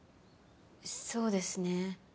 そうですね。